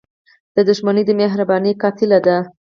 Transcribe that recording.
• دښمني د مهربانۍ قاتله ده.